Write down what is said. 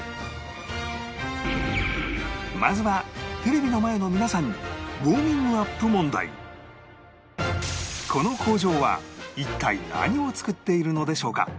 まずはテレビの前の皆さんにこの工場は一体何を作っているのでしょうか？